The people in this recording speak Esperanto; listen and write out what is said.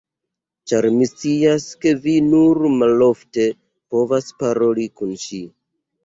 Ĉar mi scias, ke vi nur malofte povas paroli kun ŝi!